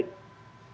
kita boleh berbeda